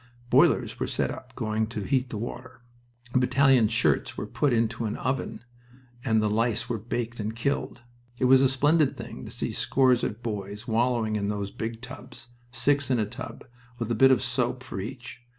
Boilers were set going to heat the water. A battalion's shirts were put into an oven and the lice were baked and killed. It was a splendid thing to see scores of boys wallowing in those big tubs, six in a tub, with a bit of soap for each.